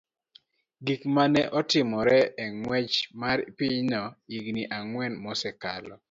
gik ma ne otimore e ng'wech mar pinyno higini ang'wen mosekalo,